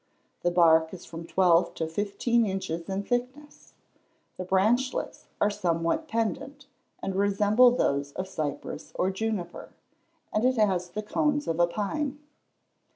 The bark is from 12 to 15 inches in thickness; the branchlets are somewhat pendent, and resemble those of cypress or juniper, and it has the cones of a pine.